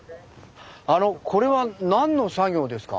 これは何の作業ですか？